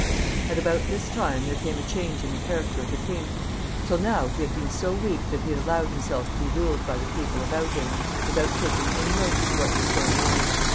At about this time there came a change in the character of the king. Till now he had been so weak that he had allowed himself to be ruled by the people about him, with out taking any notice of what was going on.